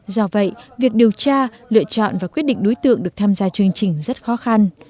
do vậy việc điều tra lựa chọn và quyết định đối tượng được tham gia chương trình rất khó khăn